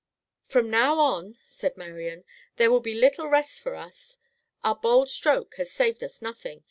"From now on," said Marian, "there will be little rest for us. Our bold stroke has saved us nothing.